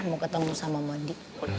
mau ketemu sama modi